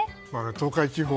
東海地方